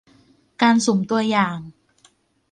การสุ่มตัวอย่าง